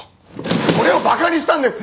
俺を馬鹿にしたんです！